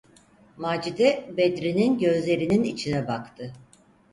Macide, Bedri’nin gözlerinin içine baktı.